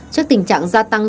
trước tình trạng gia tăng